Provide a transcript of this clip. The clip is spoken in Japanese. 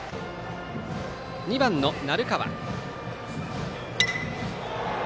２番の鳴川。